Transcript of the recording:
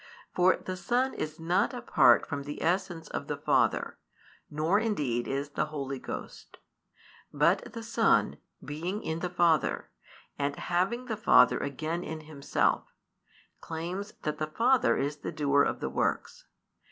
For the Son is not apart from the essence of the Father, nor indeed is the Holy Ghost; but the Son, being in the Father, and having the Father again in Himself, claims that the Father is the doer of the works.